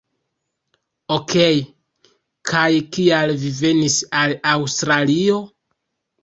Okej, kaj kial vi venis al Aŭstralio?